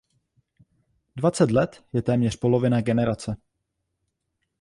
Dvacet let je téměř polovina generace.